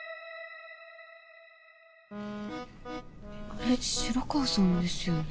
あれ白川さんですよね？